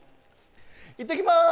いってきます。